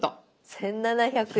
１，７００円。